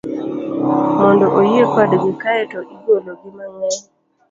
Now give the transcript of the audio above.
mondo oyie kodgi, kae to igology mang'eny